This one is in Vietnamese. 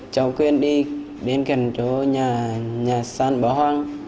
cháu quyền đi đến gần chỗ nhà sàn bó hoang